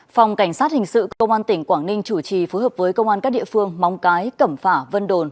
phòng cảnh sát hình sự công an tỉnh quảng ninh chủ trì phối hợp với công an các địa phương móng cái cẩm phả vân đồn